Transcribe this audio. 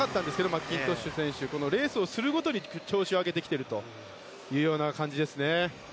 マッキントッシュ選手レースをするごとに調子を上げてきているという感じですね。